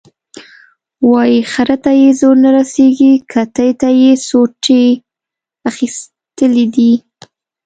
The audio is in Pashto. وایي خره ته یې زور نه رسېږي، کتې ته یې سوټي ایستلي دي.